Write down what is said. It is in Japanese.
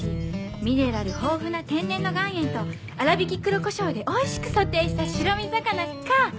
ミネラル豊富な天然の岩塩と粗びき黒こしょうでおいしくソテーした白身魚か？